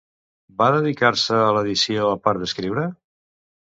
Va dedicar-se a l'edició a part d'escriure?